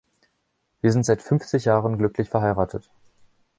Wir sind seit fünfzig Jahren glücklich verheiratet.